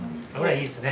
いいですね。